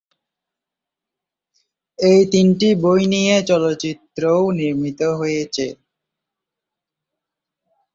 এই তিনটি বই নিয়ে চলচ্চিত্রও নির্মিত হয়েছে।